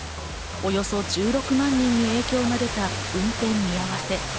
およそ１６万人に影響が出た運転見合わせ。